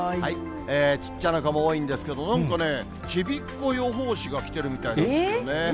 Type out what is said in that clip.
ちっちゃな子も多いんですけど、なんかね、ちびっ子予報士が来てるみたいですけどね。